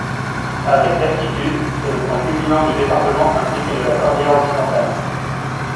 Avec d'altitude, c'est le point culminant du département ainsi que de la cordillère Occidentale.